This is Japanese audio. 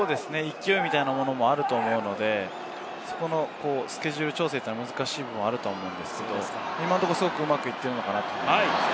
勢いみたいなものもあると思うので、スケジュール調整は難しいものがあると思うんですけど、今のところすごくうまくいっているのかなと思います。